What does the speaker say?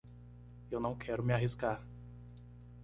Eu não quero me arriscar.